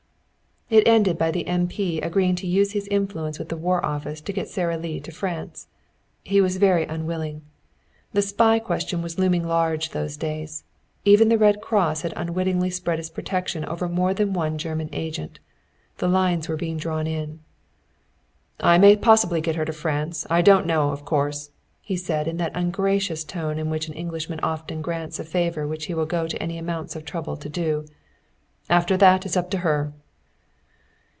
It ended by the M. P. agreeing to use his influence with the War Office to get Sara Lee to France. He was very unwilling. The spy question was looming large those days. Even the Red Cross had unwittingly spread its protection over more than one German agent. The lines were being drawn in. "I may possibly get her to France. I don't know, of course," he said in that ungracious tone in which an Englishman often grants a favor which he will go to any amount of trouble to do. "After that it's up to her."